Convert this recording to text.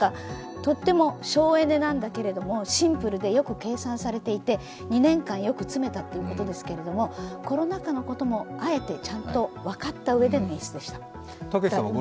とっても省エネなんだけれどもシンプルで、よく計算されていて２年間よく詰めたということですけれどもコロナ禍のこともあえてちゃんと分かったうえでの演出でした。